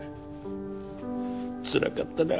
つらかったな。